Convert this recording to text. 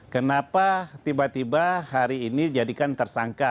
kenapa tiba tiba hari ini jadikan tersangka